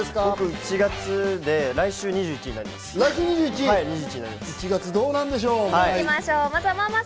１月で、来週２１歳になります。